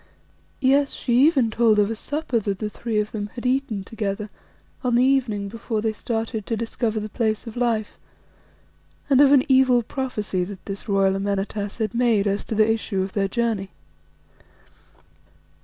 Yes, she even told of a supper that the three of them had eaten together on the evening before they started to discover the Place of Life, and of an evil prophecy that this royal Amenartas had made as to the issue of their journey.